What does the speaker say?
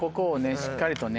しっかりとね。